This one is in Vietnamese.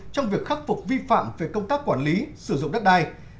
trong việc khắc phục vi phạm về công tác quản lý sử dụng đất đai